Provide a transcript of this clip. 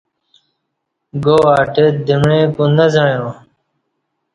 گاآٹہ دمیع کو نہ زعیا